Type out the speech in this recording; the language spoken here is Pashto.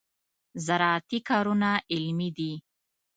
زراعتي کارونه علمي دي.